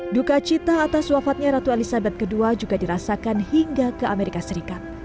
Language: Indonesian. duka cita atas wafatnya ratu elizabeth ii juga dirasakan hingga ke amerika serikat